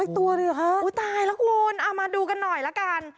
ตัวเลยเหรอคะตายแล้วคุณเอามาดูกันหน่อยละกัน